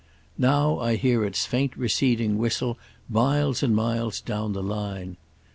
Now I hear its faint receding whistle miles and miles down the line.